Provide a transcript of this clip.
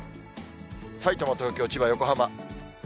さいたま、東京、千葉、横浜。